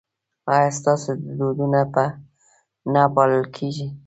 ایا ستاسو دودونه به نه پالل کیږي؟